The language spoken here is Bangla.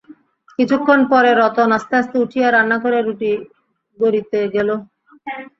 কিছুক্ষণ পরে রতন আস্তে আস্তে উঠিয়া রান্নঘরে রুটি গড়িতে গেল।